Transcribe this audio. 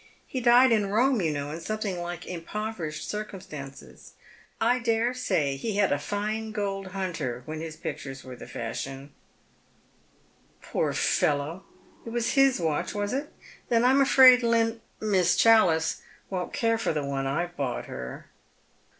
He died in Rome, you know, in something like impoverished circura Btances. I dare say ho had a fine gold hunter when his picturea were the fashion." On the Threshold of a Discovert/. 271 "Poor fellow! it was bis watch, was it? Then I'm afraid Lin Mies Challice won't care for the one I've bought her."